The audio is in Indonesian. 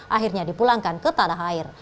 akhirnya dipulangkan ke tanah air